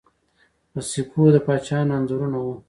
په سکو د پاچاهانو انځورونه وو